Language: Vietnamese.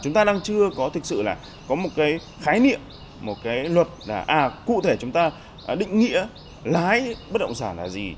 chúng ta đang chưa có thực sự là có một cái khái niệm một cái luật là cụ thể chúng ta định nghĩa lái bất động sản là gì